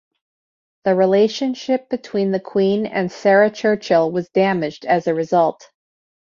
The relationship between the queen and Sarah Churchill was damaged as a result.